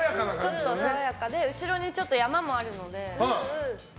ちょっと爽やかで後ろに山もあるので。